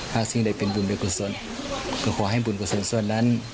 ถ้าสิ่งใดเป็นบุญได้กุศลก็ขอให้บุญกุศลส่วนนั้น